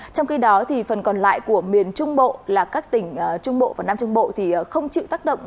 trong khi đó phần còn lại của miền trung bộ là các tỉnh trung bộ và nam trung bộ thì không chịu tác động